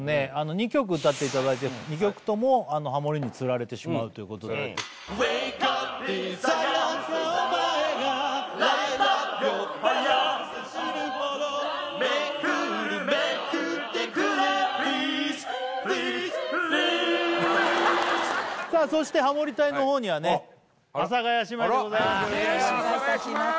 ２曲歌っていただいて２曲ともハモリにつられてしまうということでさあそしてハモリ隊の方にはね阿佐ヶ谷姉妹でございますお願いします